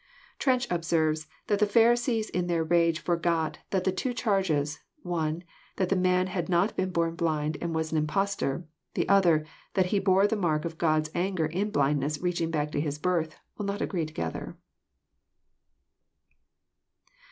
Trench observes that the Pharisees in their rage forgot '* that the two charges, — one, that the man had not been bom blind and was an impostor; the other, that he bore the mark of God's anger in blindness reaching back to his birth, — ^will not agree together."